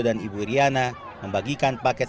dan ibu iriana membagikan paket